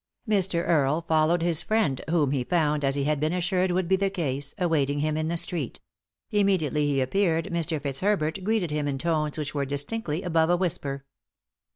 Mr. Earle followed his "friend," whom he found, as ha had been assured would be the case, awaiting him in the street. Immediately he appeared Mr. Fitzherbert greeted him in tones which were distinctly above a whisper.